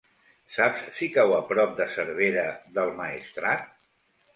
Saps si cau a prop de Cervera del Maestrat?